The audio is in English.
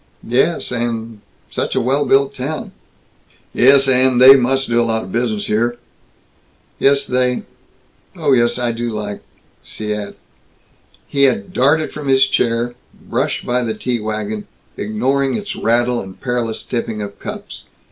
"Yes, and Such a well built town." "Yes, and They must do a lot of business here." "Yes, they Oh yes, I do like Seat " He had darted from his chair, brushed by the tea wagon, ignoring its rattle and the perilous tipping of cups.